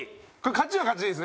勝ちは勝ちでいいです。